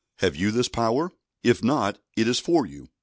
Have you this power? If not, it is for you.